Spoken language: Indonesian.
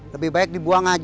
lebih baik dibuang aja